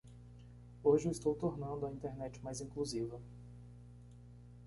Hoje eu estou tornando a Internet mais inclusiva.